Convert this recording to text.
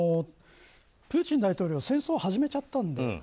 プーチン大統領は戦争を始めちゃったんで。